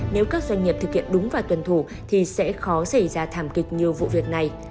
nếu các doanh nghiệp thực hiện đúng và tuân thủ thì sẽ khó xảy ra thảm kịch nhiều vụ việc này